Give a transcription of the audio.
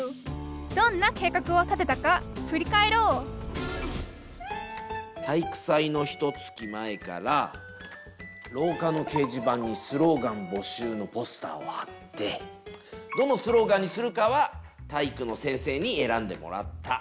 どんな計画を立てたか振り返ろう体育祭のひとつき前からろうかの掲示板にスローガン募集のポスターを貼ってどのスローガンにするかは体育の先生に選んでもらった。